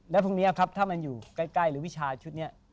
แล้วพรุ่งนี้ครับถ้ามันอยู่ใกล้หรือวิชาชุดนี้